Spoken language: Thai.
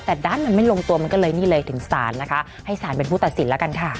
แต่ด้านมันไม่ลงตัวมันก็เลยนี่เลยถึงศาลนะคะให้สารเป็นผู้ตัดสินแล้วกันค่ะ